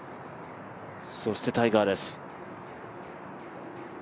そしてタイガーです。